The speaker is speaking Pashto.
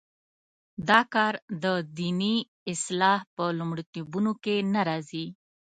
دا کار د دیني اصلاح په لومړیتوبونو کې نه راځي.